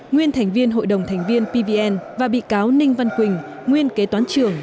nguyên thành viên hội đồng thành viên pvn và bị cáo ninh văn quỳnh nguyên kế toán trưởng